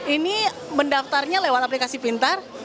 ini mendaftarnya lewat aplikasi pintar